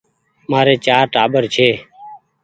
مآري چآر ٽآٻر ڇي